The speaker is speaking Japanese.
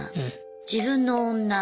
自分の女